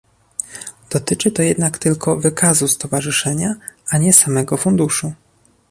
Dotyczy to jednak tylko wykazu stowarzyszenia, a nie samego funduszu